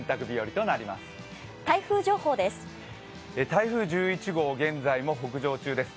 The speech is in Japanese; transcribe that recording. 台風１１号、現在も北上中です